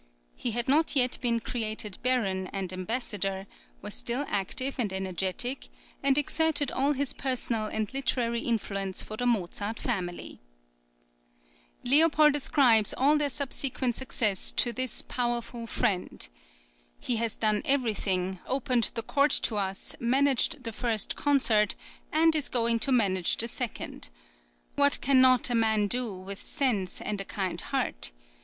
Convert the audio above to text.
He had not yet been created baron and ambassador, was still active and energetic, and exerted all his personal and literary influence for the Mozart family. Leopold ascribes {PARIS 1763 64, GRIMM, MDME. DE POMPADOUR.} ( 35) all their subsequent success to this "powerful friend." "He has done everything opened the court to us, managed the first concert, and is going to manage the second. What cannot a man do with sense and a kind heart?